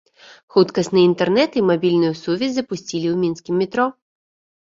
Хуткасны інтэрнэт і мабільную сувязь запусцілі ў мінскім метро.